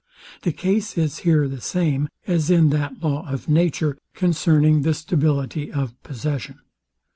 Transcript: The case is here the same as in that law of nature concerning the stability of possession.